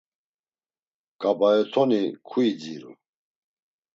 Ǩabaetoni kuidziru.